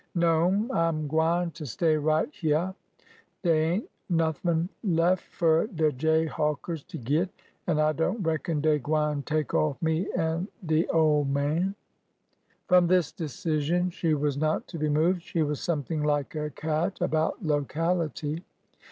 No'm. I'm gwineter stay right hyeah. Dey ain't nothin' lef' fur de jayhawk ers to git, an' I don't reckon dey gwine take off me an' de ole man." From this decision she was not to be moved. She was something like a cat about locality.